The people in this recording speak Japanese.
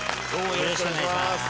よろしくお願いします。